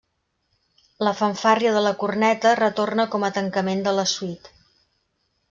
La fanfàrria de la corneta retorna com a tancament de la suite.